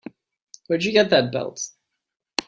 Where'd you get that belt?